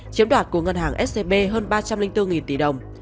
chiếm đoạt của ngân hàng scb hơn ba trăm linh bốn tỷ đồng